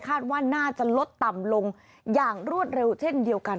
ว่าน่าจะลดต่ำลงอย่างรวดเร็วเช่นเดียวกัน